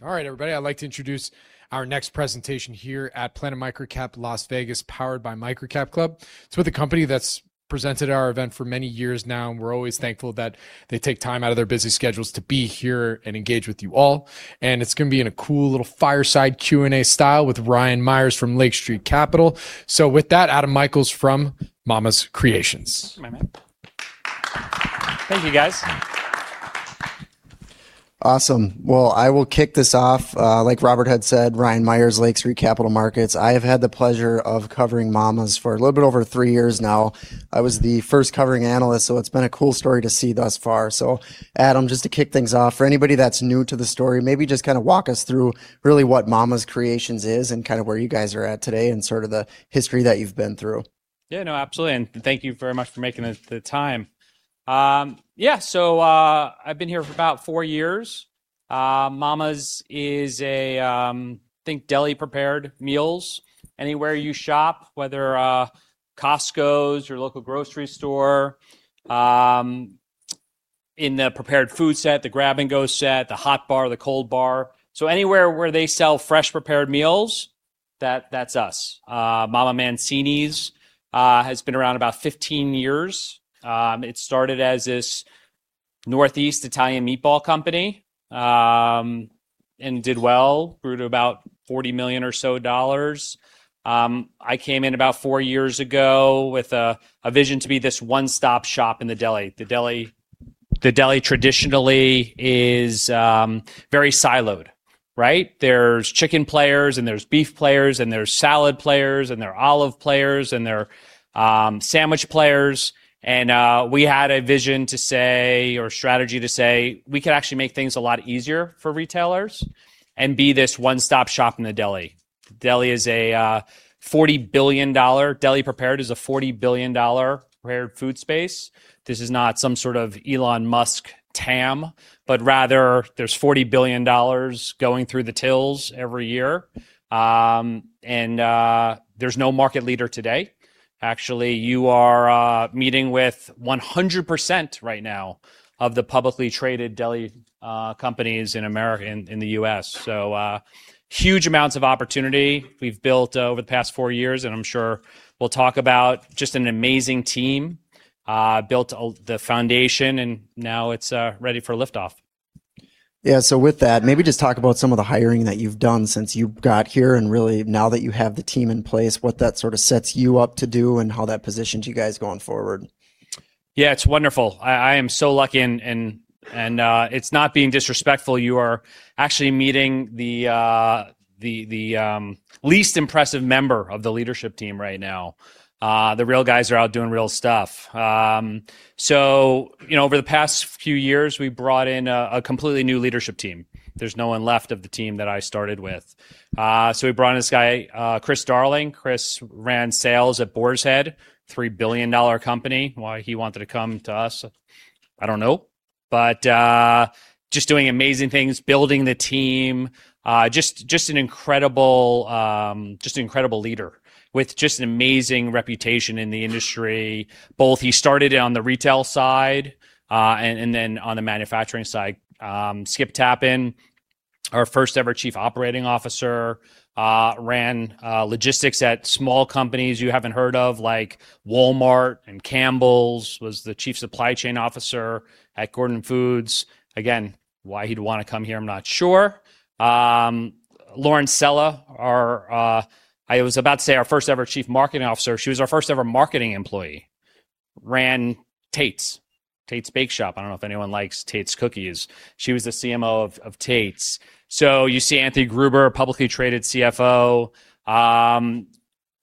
All right, everybody, I'd like to introduce our next presentation here at Planet MicroCap Las Vegas, powered by MicroCapClub. It's one of the company that's presented our event for many years now. That We're always thankful that they take time out of their busy schedules to be here and engage with you all. It's going to be in a cool little fireside Q&A style with Ryan Meyers from Lake Street Capital. With that, Adam Michaels from Mama's Creations. Thank you, guys. Awesome. I will kick this off. Like Robert had said, Ryan Meyers, Lake Street Capital Markets. I have had the pleasure of covering Mama's for a little bit over three years now. I was the first covering analyst, it's been a cool story to see thus far. Adam, just to kick things off, for anybody that's new to the story, maybe just kind of walk us through really what Mama's Creations is and kind of where you guys are at today and sort of the history that you've been through. Absolutely. Thank you very much for making the time. I've been here for about four years. Mama's is a, think deli-prepared meals. Anywhere you shop, whether Costcos, your local grocery store, in the prepared food set, the grab-and-go set, the hot bar, the cold bar. Anywhere where they sell fresh prepared meals, that's us. MamaMancini's has been around about 15 years. It started as this northeast Italian meatball company, did well, grew to about $40 million or so. I came in about four years ago with a vision to be this one-stop shop in the deli. The deli traditionally is very siloed, right? There's chicken players and there's beef players, and there's salad players, and there are olive players, and there are sandwich players. We had a vision to say, or strategy to say, we could actually make things a lot easier for retailers and be this one-stop shop in the deli. Deli prepared is a $40 billion prepared food space. This is not some sort of Elon Musk TAM, but rather there's $40 billion going through the tills every year. There's no market leader today. Actually, you are meeting with 100% right now of the publicly traded deli companies in the U.S. Huge amounts of opportunity we've built over the past four years, and I'm sure we'll talk about just an amazing team. We built the foundation and now it's ready for liftoff. With that, maybe just talk about some of the hiring that you've done since you got here, and really now that you have the team in place, what that sort of sets you up to do and how that positions you guys going forward. It's wonderful. I am so lucky, and it's not being disrespectful, you are actually meeting the least impressive member of the leadership team right now. The real guys are out doing real stuff. Over the past few years, we brought in a completely new leadership team. There's no one left of the team that I started with. We brought in this guy, Chris Darling. Chris ran sales at Boar's Head, a $3 billion company. Why he wanted to come to us, I don't know. Just doing amazing things, building the team, just an incredible leader with just an amazing reputation in the industry. Both he started it on the retail side, and then on the manufacturing side. Skip Tappan, our first ever Chief Operating Officer, ran logistics at small companies you haven't heard of, like Walmart and Campbell's, was the Chief Supply Chain Officer at Gordon Foods. Again, why he'd want to come here, I'm not sure. Lauren Sella, I was about to say our first ever Chief Marketing Officer. She was our first ever marketing employee, ran Tate's Bake Shop. I don't know if anyone likes Tate's cookies. She was the CMO of Tate's. You see Anthony Gruber, a publicly traded CFO.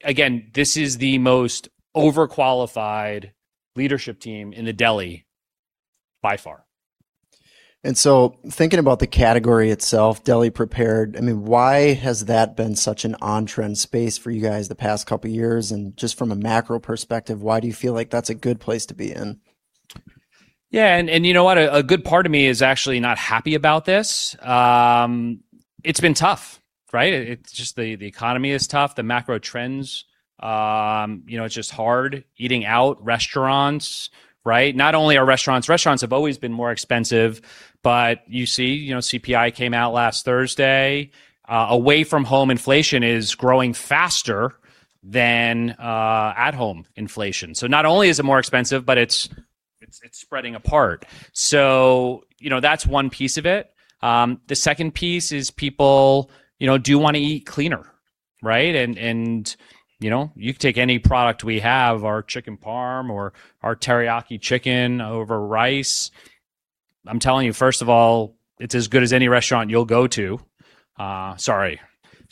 Again, this is the most overqualified leadership team in the deli by far. Thinking about the category itself, deli prepared, why has that been such an on-trend space for you guys the past couple of years? Just from a macro perspective, why do you feel like that's a good place to be in? Yeah, you know what, a good part of me is actually not happy about this. It's been tough, right? The economy is tough, the macro trends, it's just hard. Eating out, restaurants, right? Not only are Restaurants have always been more expensive, but you see, CPI came out last Thursday. Away from home inflation is growing faster than at-home inflation. Not only is it more expensive, but it's spreading apart. That's one piece of it. The second piece is people do want to eat cleaner, right? You can take any product we have, our chicken parm or our teriyaki chicken over rice. I'm telling you, first of all, it's as good as any restaurant you'll go to. Sorry.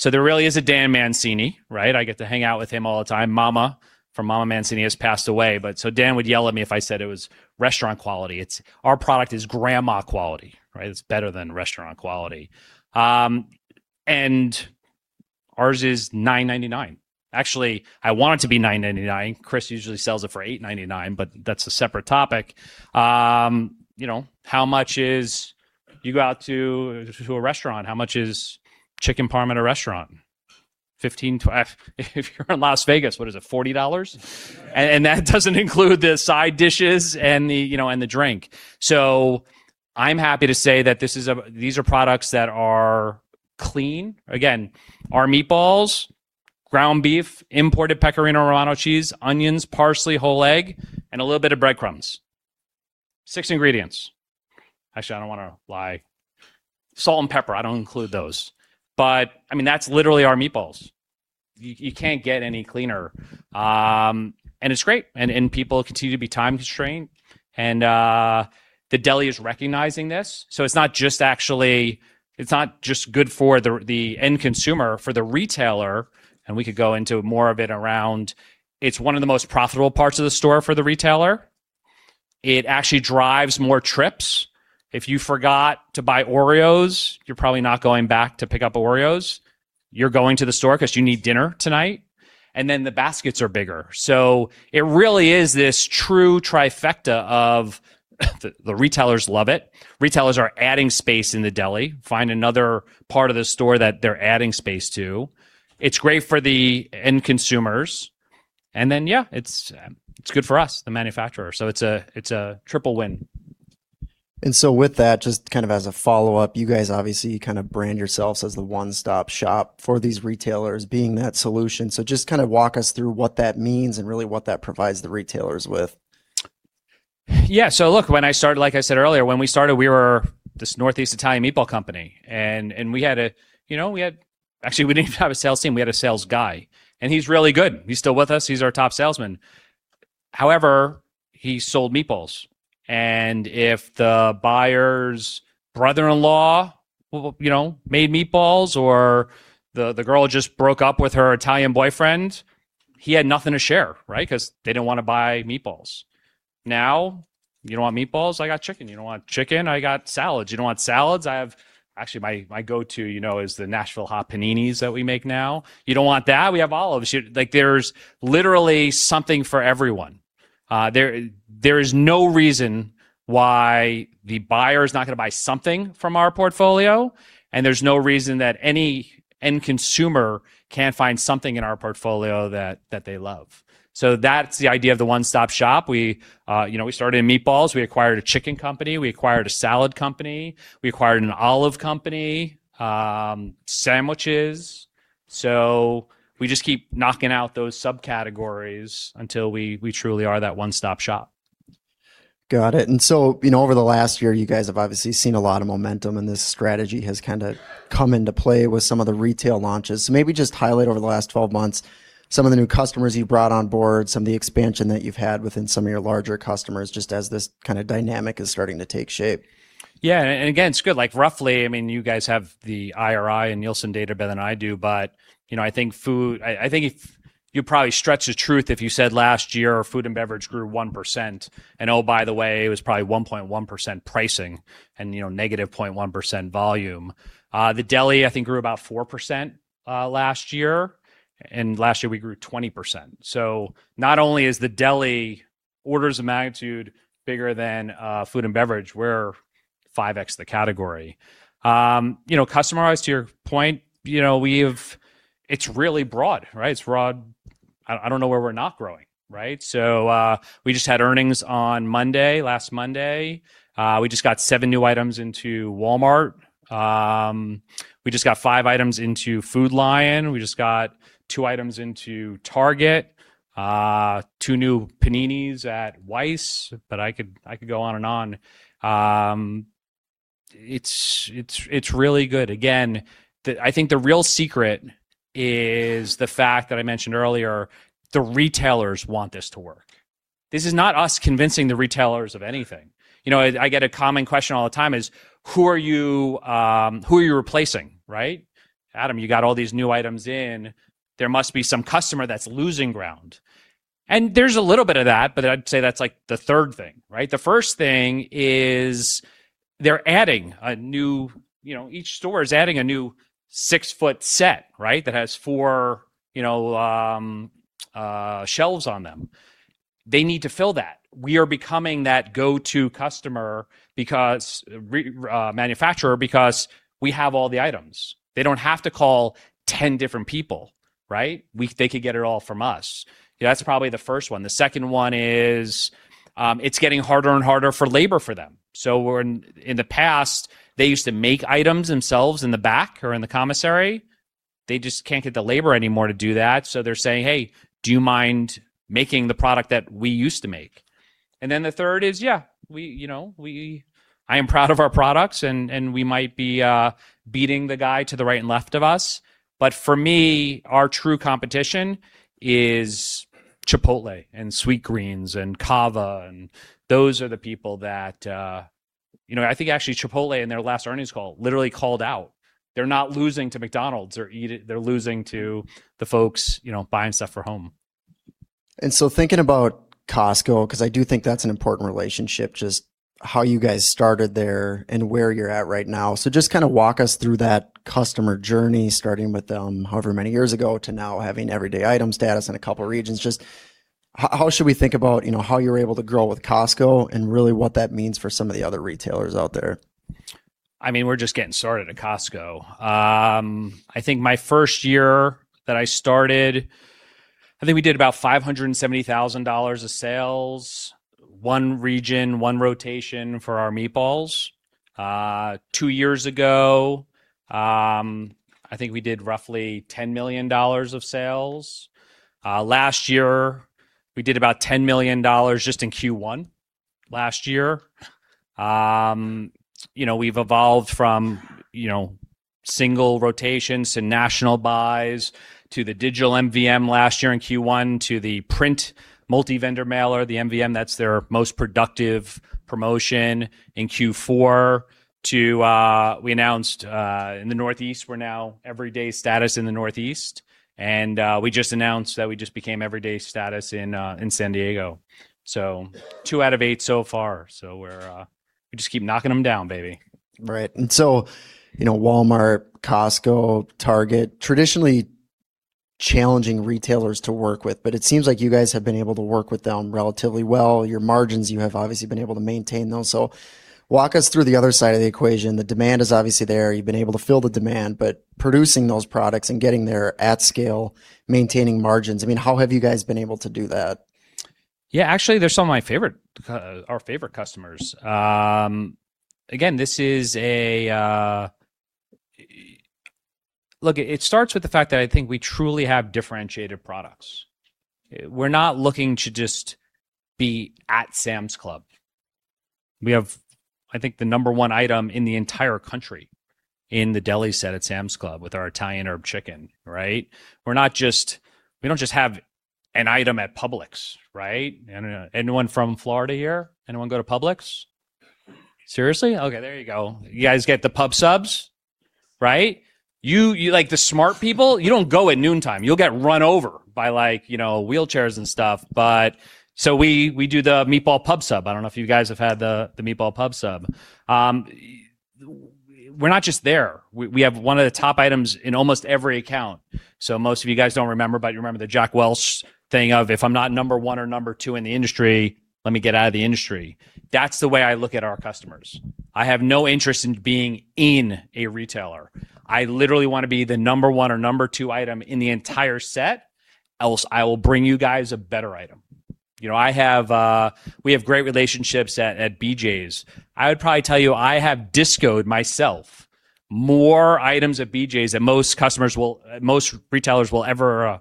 There really is a Dan Mancini, right? I get to hang out with him all the time. Mama from MamaMancini has passed away, Dan would yell at me if I said it was restaurant quality. Our product is grandma quality, right? It's better than restaurant quality. Ours is $9.99. Actually, I want it to be $9.99. Chris usually sells it for $8.99, but that's a separate topic. You go out to a restaurant, how much is chicken parm at a restaurant? $15, $12. If you're in Las Vegas, what is it, $40? That doesn't include the side dishes and the drink. I'm happy to say that these are products that are clean. Again, our meatballs, ground beef, imported Pecorino Romano cheese, onions, parsley, whole egg, and a little bit of breadcrumbs. Six ingredients. Actually, I don't want to lie. Salt and pepper, I don't include those. That's literally our meatballs. You can't get any cleaner. It's great, and people continue to be time-constrained. The deli is recognizing this, so it's not just good for the end consumer, for the retailer, and we could go into more of it around it's one of the most profitable parts of the store for the retailer. It actually drives more trips. If you forgot to buy OREOs, you're probably not going back to pick up OREOs. You're going to the store because you need dinner tonight. The baskets are bigger. It really is this true trifecta of the retailers love it. Retailers are adding space in the deli, find another part of the store that they're adding space to. It's great for the end consumers. Yeah, it's good for us, the manufacturer. It's a triple win. With that, just kind of as a follow-up, you guys obviously kind of brand yourselves as the one-stop shop for these retailers, being that solution. Just kind of walk us through what that means and really what that provides the retailers with. Like I said earlier, when we started, we were this Northeast Italian meatball company. Actually, we didn't even have a sales team, we had a sales guy. He's really good. He's still with us. He's our top salesman. However, he sold meatballs, and if the buyer's brother-in-law made meatballs or the girl just broke up with her Italian boyfriend, he had nothing to share, right? Because they didn't want to buy meatballs. Now, you don't want meatballs? I got chicken. You don't want chicken? I got salads. You don't want salads? Actually, my go-to is the Nashville Hot paninis that we make now. You don't want that? We have olives. There's literally something for everyone. There is no reason why the buyer is not going to buy something from our portfolio, and there's no reason that any end consumer can't find something in our portfolio that they love. That's the idea of the one-stop shop. We started in meatballs, we acquired a chicken company, we acquired a salad company, we acquired an olive company, sandwiches. We just keep knocking out those subcategories until we truly are that one-stop shop. Got it. Over the last year, you guys have obviously seen a lot of momentum, and this strategy has kind of come into play with some of the retail launches. Maybe just highlight over the last 12 months some of the new customers you've brought on board, some of the expansion that you've had within some of your larger customers, just as this kind of dynamic is starting to take shape. Yeah. Again, it's good. Roughly, you guys have the IRI and Nielsen data better than I do, but I think you'd probably stretch the truth if you said last year food and beverage grew 1%. Oh, by the way, it was probably 1.1% pricing and -0.1% volume. The deli, I think, grew about 4% last year. Last year we grew 20%. Not only is the deli orders of magnitude bigger than food and beverage, we're 5x the category. Customer-wise, to your point, it's really broad, right? I don't know where we're not growing, right? We just had earnings on Monday, last Monday. We just got seven new items into Walmart. We just got five items into Food Lion. We just got two items into Target, two new paninis at Weis. I could go on and on. It's really good. Again, I think the real secret is the fact that I mentioned earlier, the retailers want this to work. This is not us convincing the retailers of anything. I get a common question all the time is, "Who are you replacing?" Right? "Adam, you got all these new items in. There must be some customer that's losing ground." There's a little bit of that, but I'd say that's the third thing, right? The first thing is they're adding a new-- Each store is adding a new 6-ft set, right? That has four shelves on them. They need to fill that. We are becoming that go-to manufacturer because we have all the items. They don't have to call 10 different people, right? They could get it all from us. That's probably the first one. The second one is, it's getting harder and harder for labor for them. In the past, they used to make items themselves in the back or in the commissary. They just can't get the labor anymore to do that. They're saying, "Hey, do you mind making the product that we used to make?" The third is, yeah, I am proud of our products, and we might be beating the guy to the right and left of us, but for me, our true competition is Chipotle and Sweetgreen and Cava. I think actually Chipotle, in their last earnings call, literally called out, they're not losing to McDonald's, they're losing to the folks buying stuff for home. Thinking about Costco, because I do think that's an important relationship, just how you guys started there and where you're at right now. Just kind of walk us through that customer journey, starting with them however many years ago to now having everyday item status in a couple of regions. Just how should we think about how you were able to grow with Costco and really what that means for some of the other retailers out there? I mean, we're just getting started at Costco. I think my first year that I started, I think we did about $570,000 of sales, one region, one rotation for our meatballs. Two years ago, I think we did roughly $10 million of sales. Last year, we did about $10 million just in Q1 last year. We've evolved from single rotations to national buys, to the digital MVM last year in Q1, to the print multi-vendor mailer, the MVM. That's their most productive promotion in Q4, to we announced in the Northeast, we're now everyday status in the Northeast. We just announced that we just became everyday status in San Diego. Two out of eight so far. We just keep knocking them down, baby. Right. Walmart, Costco, Target, traditionally challenging retailers to work with, but it seems like you guys have been able to work with them relatively well. Your margins, you have obviously been able to maintain those. Walk us through the other side of the equation. The demand is obviously there. You've been able to fill the demand, but producing those products and getting there at scale, maintaining margins. I mean, how have you guys been able to do that? Yeah, actually, they're some of our favorite customers. Look, it starts with the fact that I think we truly have differentiated products. We're not looking to just be at Sam's Club. We have, I think, the number one item in the entire country in the deli set at Sam's Club with our Italian Herb Chicken, right? We don't just have an item at Publix, right? Anyone from Florida here? Anyone go to Publix? Seriously? Okay, there you go. You guys get the Pub Subs, right? You, like the smart people, you don't go at noontime. You'll get run over by wheelchairs and stuff. We do the Meatball Pub Sub. I don't know if you guys have had the Meatball Pub Sub. We're not just there. We have one of the top items in almost every account. Most of you guys don't remember, but you remember the Jack Welch thing of, "If I'm not number one or number two in the industry, let me get out of the industry." That's the way I look at our customers. I have no interest in being in a retailer. I literally want to be the number one or number two item in the entire set, else I will bring you guys a better item. We have great relationships at BJ's. I would probably tell you, I have disco'd myself more items at BJ's than most retailers,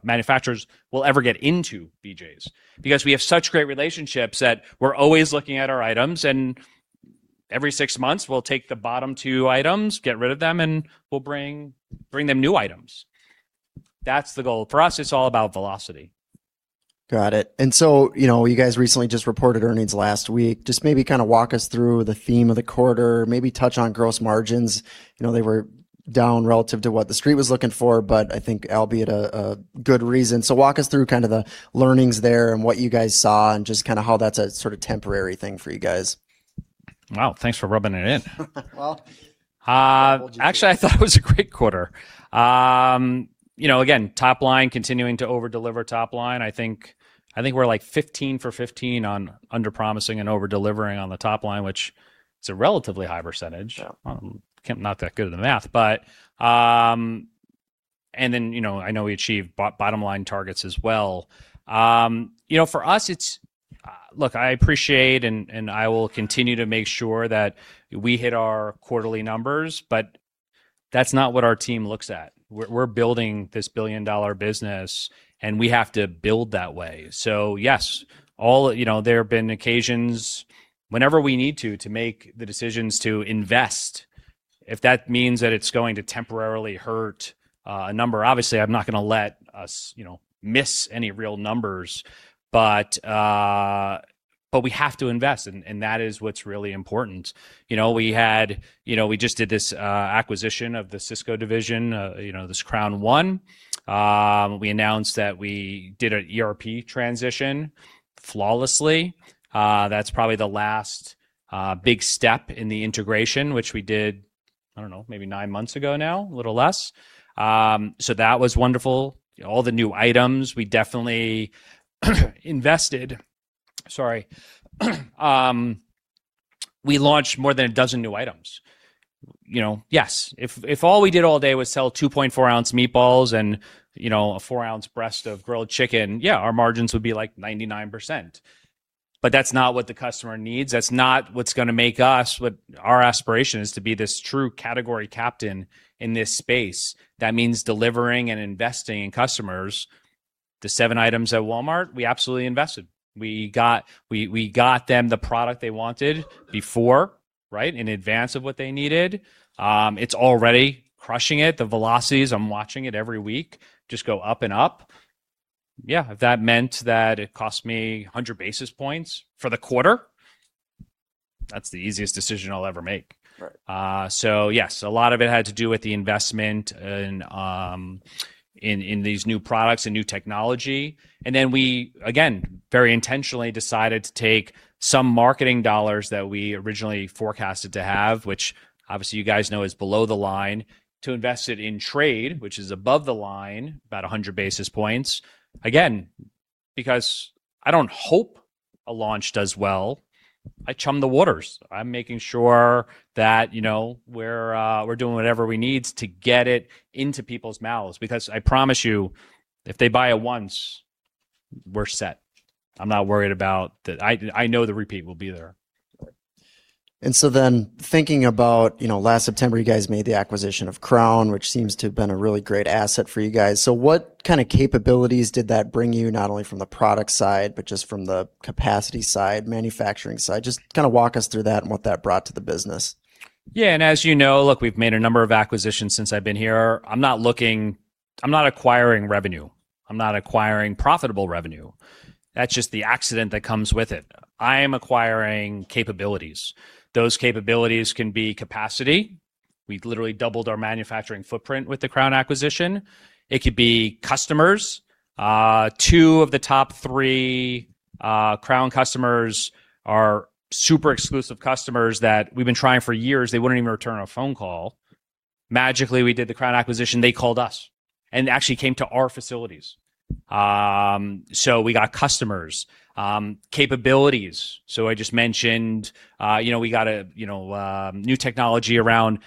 manufacturers will ever get into BJ's. Because we have such great relationships that we're always looking at our items, and every six months, we'll take the bottom two items, get rid of them, and we'll bring them new items. That's the goal. For us, it's all about velocity. Got it. You guys recently just reported earnings last week. Maybe kind of walk us through the theme of the quarter, maybe touch on gross margins. They were down relative to what the street was looking for, but I think albeit a good reason. Walk us through kind of the learnings there and what you guys saw and just how that's a sort of temporary thing for you guys. Wow, thanks for rubbing it in. Well, I told you. Actually, I thought it was a great quarter. Again, top line, continuing to over-deliver top line. I think we're 15 for 15 on underpromising and over-delivering on the top line, which is a relatively high percentage. Yeah. I'm not that good at the math. I know we achieved bottom-line targets as well. Look, I appreciate and I will continue to make sure that we hit our quarterly numbers, that's not what our team looks at. We're building this billion-dollar business, and we have to build that way. Yes, there have been occasions, whenever we need to make the decisions to invest. If that means that it's going to temporarily hurt a number, obviously, I'm not going to let us miss any real numbers. We have to invest, and that is what's really important. We just did this acquisition of the Sysco division, this Crown I. We announced that we did an ERP transition flawlessly. That's probably the last big step in the integration, which we did, I don't know, maybe nine months ago now, a little less. That was wonderful. All the new items, we definitely invested. Sorry. We launched more than a dozen new items. Yes, if all we did all day was sell 2.4-oz meatballs and a four-ounce breast of grilled chicken, yeah, our margins would be like 99%. That's not what the customer needs. That's not what's going to make us what our aspiration is to be this true category captain in this space. That means delivering and investing in customers. The seven items at Walmart, we absolutely invested. We got them the product they wanted before, right? In advance of what they needed. It's already crushing it. The velocities, I'm watching it every week just go up and up. Yeah, if that meant that it cost me 100 basis points for the quarter, that's the easiest decision I'll ever make. Right. Yes, a lot of it had to do with the investment in these new products and new technology. We, again, very intentionally decided to take some marketing dollars that we originally forecasted to have, which obviously you guys know is below the line, to invest it in trade, which is above the line, about 100 basis points. Because I don't hope a launch does well, I chum the waters. I'm making sure that we're doing whatever we need to get it into people's mouths. I promise you, if they buy it once, we're set. I'm not worried about I know the repeat will be there. Thinking about last September, you guys made the acquisition of Crown, which seems to have been a really great asset for you guys. What kind of capabilities did that bring you, not only from the product side, but just from the capacity side, manufacturing side? Just kind of walk us through that and what that brought to the business. Yeah. As you know, look, we've made a number of acquisitions since I've been here. I'm not acquiring revenue. I'm not acquiring profitable revenue. That's just the accident that comes with it. I am acquiring capabilities. Those capabilities can be capacity. We've literally doubled our manufacturing footprint with the Crown acquisition. It could be customers. Two of the top three Crown customers are super exclusive customers that we've been trying for years, they wouldn't even return our phone call. Magically, we did the Crown acquisition, they called us, and actually came to our facilities. We got customers. Capabilities, I just mentioned we got new technology around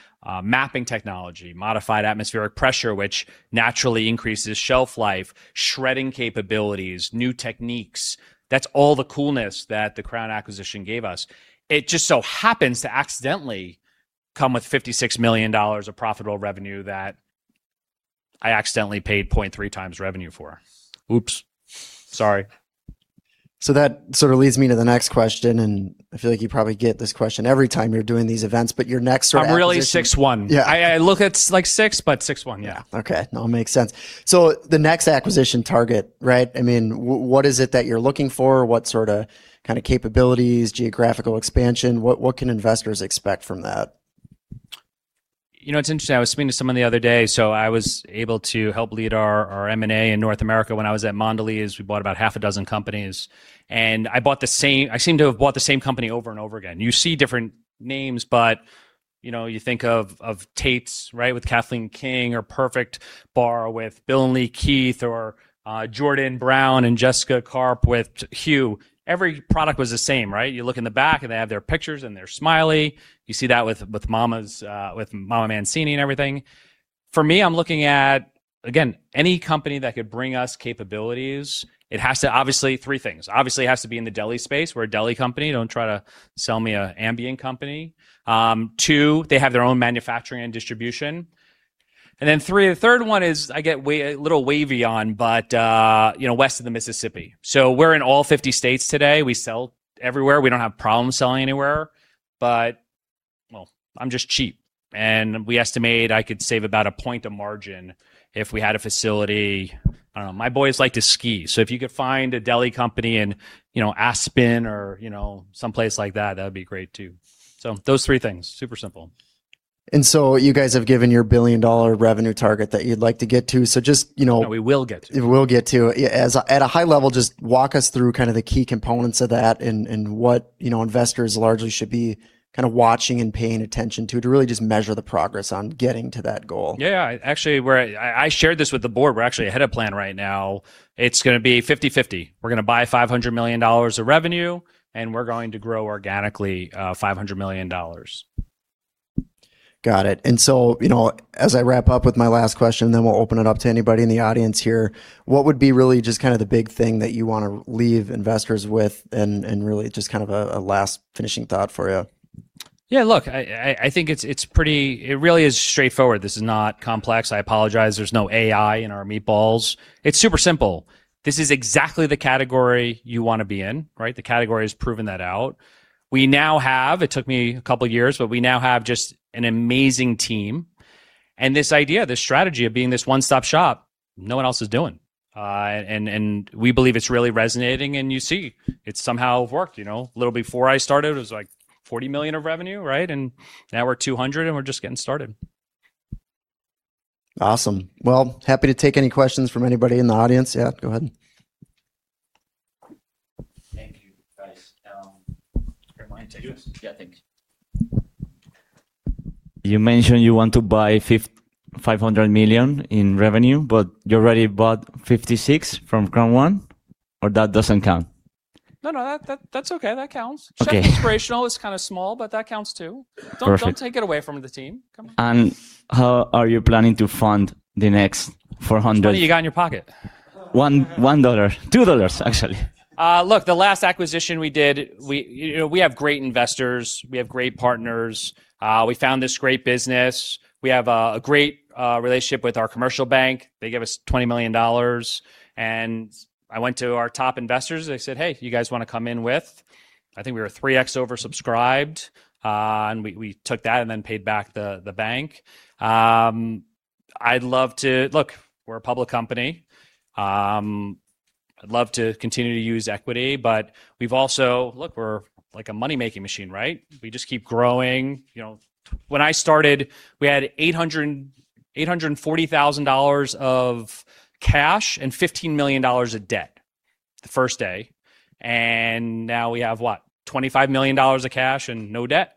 MAP technology, modified atmosphere packaging, which naturally increases shelf life, shredding capabilities, new techniques. That's all the coolness that the Crown acquisition gave us. It just so happens to accidentally come with $56 million of profitable revenue that I accidentally paid 0.3x revenue for. Oops, sorry. That sort of leads me to the next question, and I feel like you probably get this question every time you're doing these events, but your next sort of acquisition. I'm really six one. Yeah. I look like six, but six one, yeah. Okay. No, it makes sense. The next acquisition target, right? What is it that you're looking for? What sort of capabilities, geographical expansion? What can investors expect from that? You know, it's interesting. I was speaking to someone the other day. I was able to help lead our M&A in North America when I was at Mondelez. We bought about half a dozen companies. I seem to have bought the same company over and over again. You see different names, you think of Tate's Bake Shop, right, with Kathleen King, or Perfect Bar with Bill and Leigh Keith, or Jordan Brown and Jessica Karp with Hu. Every product was the same, right? You look in the back and they have their pictures and they're smiley. You see that with MamaMancini's and everything. For me, I'm looking at, again, any company that could bring us capabilities. Obviously, three things. Obviously, it has to be in the deli space. We're a deli company. Don't try to sell me an ambient company. Two, they have their own manufacturing and distribution. Then three, the third one is, I get a little wavy on, west of the Mississippi. We're in all 50 states today. We sell everywhere. We don't have a problem selling anywhere, well, I'm just cheap, we estimate I could save about a point of margin if we had a facility. I don't know. My boys like to ski, if you could find a deli company in Aspen or someplace like that would be great, too. Those three things, super simple. You guys have given your billion-dollar revenue target that you'd like to get to. No, we will get to. Will get to. At a high level, just walk us through kind of the key components of that and what investors largely should be kind of watching and paying attention to really just measure the progress on getting to that goal. Yeah. Actually, I shared this with the board. We're actually ahead of plan right now. It's going to be 50/50. We're going to buy $500 million of revenue, and we're going to grow organically $500 million. Got it. As I wrap up with my last question, we'll open it up to anybody in the audience here. What would be really just kind of the big thing that you want to leave investors with, and really just kind of a last finishing thought for you? Yeah, look, I think it really is straightforward. This is not complex. I apologize. There's no AI in our meatballs. It's super simple. This is exactly the category you want to be in, right? The category has proven that out. We now have, it took me a couple years, we now have just an amazing team. This idea, this strategy of being this one-stop shop, no one else is doing. We believe it's really resonating, and you see it's somehow worked. A little before I started, it was like $40 million of revenue, right? Now we're $200 million, we're just getting started. Awesome. Well, happy to take any questions from anybody in the audience. Yeah, go ahead. Thank you, guys. Do you mind taking this? Yeah, thanks. You mentioned you want to buy $500 million in revenue, you already bought $56 million from Crown I, or that doesn't count? That's okay. That counts. Okay. Chef Inspirational is kind of small, that counts, too. Perfect. Don't take it away from the team. Come on. How are you planning to fund the next $400 million- That's what you got in your pocket. $1. $2, actually. Look, the last acquisition we did, we have great investors, we have great partners. We found this great business. We have a great relationship with our commercial bank. They gave us $20 million. I went to our top investors and I said, "Hey, do you guys want to come in with?" I think we were 3X oversubscribed. We took that and paid back the bank. Look, we're a public company. I'd love to continue to use equity, we're like a money-making machine, right? We just keep growing. When I started, we had $840,000 of cash and $15 million of debt the first day. Now we have what? $25 million of cash and no debt.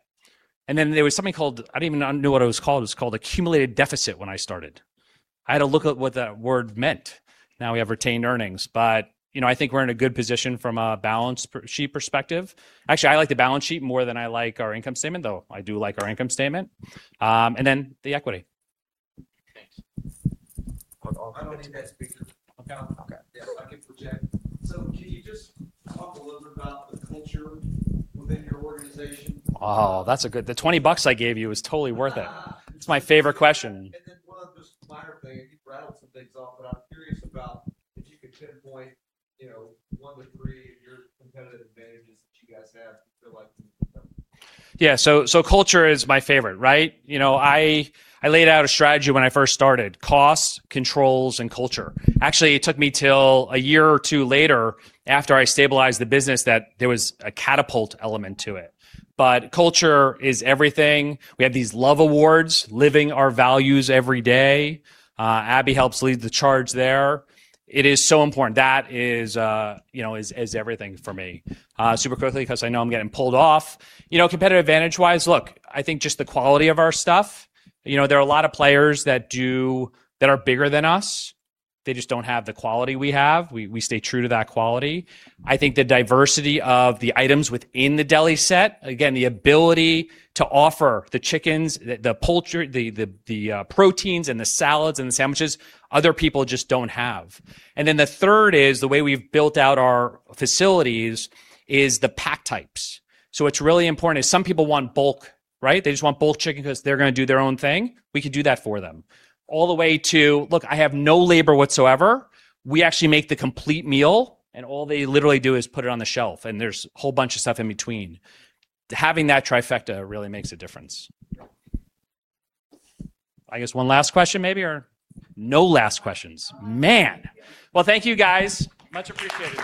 There was something called I don't even know what it was called. It was called accumulated deficit when I started. I had to look up what that word meant. Now we have retained earnings. I think we're in a good position from a balance sheet perspective. Actually, I like the balance sheet more than I like our income statement, though I do like our income statement. The equity. Thanks. I don't need that speaker. Okay. Yeah, I can project. Can you just talk a little bit about the culture within your organization? Oh, that's good. The $20 I gave you is totally worth it. It's my favorite question. One other just minor thing, and you rattled some things off, but I'm curious about if you could pinpoint one to three of your competitive advantages that you guys have that you'd like to? Culture is my favorite, right? I laid out a strategy when I first started. Costs, controls, and culture. Actually, it took me till a year or two later, after I stabilized the business, that there was a catapult element to it. Culture is everything. We have these LOVE awards, Living Our Values Everyday. Abbey helps lead the charge there. It is so important. That is everything for me. Super quickly, because I know I'm getting pulled off. Competitive advantage-wise, look, I think just the quality of our stuff. There are a lot of players that are bigger than us. They just don't have the quality we have. We stay true to that quality. I think the diversity of the items within the deli set, again, the ability to offer the chickens, the poultry, the proteins and the salads and the sandwiches, other people just don't have. The third is the way we've built out our facilities is the pack types. What's really important is some people want bulk, right? They just want bulk chicken because they're going to do their own thing. We can do that for them. All the way to, "Look, I have no labor whatsoever." We actually make the complete meal, and all they literally do is put it on the shelf, and there's a whole bunch of stuff in between. Having that trifecta really makes a difference. Yep. I guess one last question maybe, or no last questions. Man. Thank you, guys. Much appreciated.